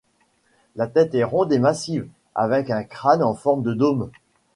La tête est ronde et massive, avec un crâne en forme de dôme.